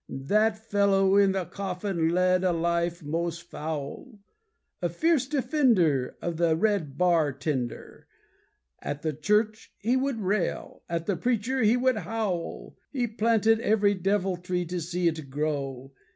That fellow in the coffin led a life most foul. A fierce defender of the red bar tender, At the church he would rail, At the preacher he would howl. He planted every deviltry to see it grow.